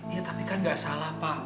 iya tapi kan gak salah pak